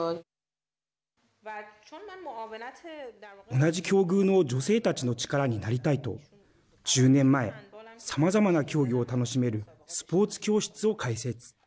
同じ境遇の女性たちの力になりたいと１０年前さまざまな競技を楽しめるスポーツ教室を開設。